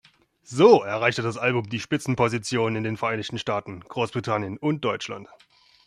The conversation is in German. So erreichte das Album die Spitzenpositionen in den Vereinigten Staaten, Großbritannien und Deutschland.